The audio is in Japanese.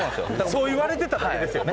そう言われてただけですよね？